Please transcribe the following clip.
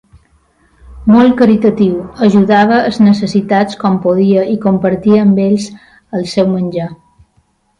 Molt caritatiu, ajudava els necessitats com podia i compartia amb ells el seu menjar.